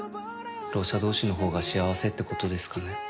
ろう者同士のほうが幸せってことですかね。